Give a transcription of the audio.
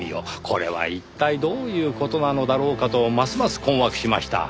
これは一体どういう事なのだろうかとますます困惑しました。